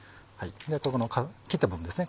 ここの切った部分ですね